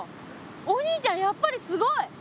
お兄ちゃんやっぱりすごい。